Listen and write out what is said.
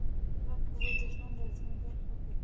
پاکې اوبه د ژوند لازمي برخه دي.